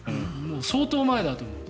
相当前だと思う。